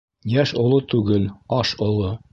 Йәш оло түгел, аш оло.